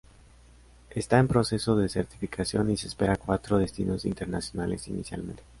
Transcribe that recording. Está en proceso de certificación y se espera cuatro destinos internacionales inicialmente.